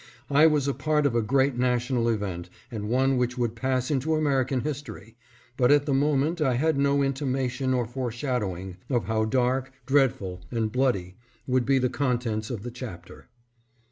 I was a part of a great national event and one which would pass into American history, but at the moment I had no intimation or foreshadowing of how dark, dread ful and bloody would be the contents of the chapter.